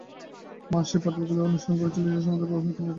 মা সেই ফাটলগুলি অনুসরণ করছিল যেটা সমুদ্রের বরফের কিনারে পৌঁছে দেবে।